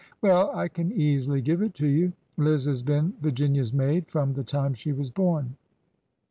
'' Well, I can easily give it to you. Liz has been Vir ginia's maid from the time she was born.